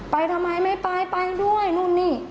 ไปทำไมไม่ไปไปด้วยนู่นนี่